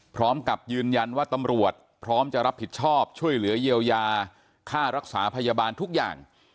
พร้อมกับยืนยันว่าตำรวจพร้อมจะรับผิดชอบช่วยเหลือเยียวยาค่ารักษาพยาบาลทุกอย่าง